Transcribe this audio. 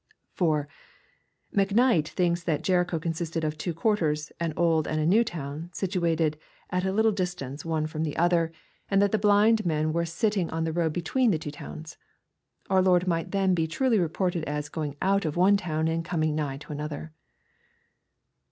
(4.) Mucknight tliinks that Jericho consisted of two quarters, au old and a new town, situated at a little distance one from tlio »»^ LUKE, CHAP. XVIII. 289 Other, and that the blind men were sitting on the road between the two towns. Our Lord might then be truly reported as " going out" of one town, and " coming nigh" to another.